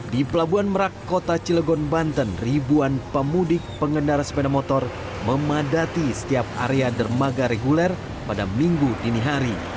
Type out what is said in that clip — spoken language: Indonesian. di pelabuhan merak kota cilegon banten ribuan pemudik pengendara sepeda motor memadati setiap area dermaga reguler pada minggu dini hari